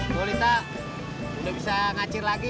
bu lita udah bisa ngacir lagi